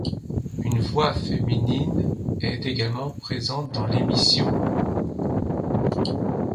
Une voix féminine est également présente dans l'émission.